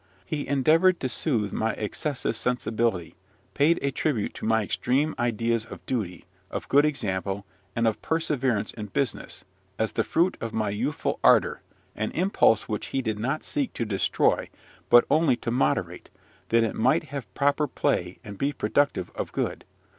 He endeavoured to soothe my excessive sensibility, paid a tribute to my extreme ideas of duty, of good example, and of perseverance in business, as the fruit of my youthful ardour, an impulse which he did not seek to destroy, but only to moderate, that it might have proper play and be productive of good.